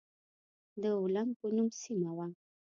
د اولنګ په نوم سيمه وه.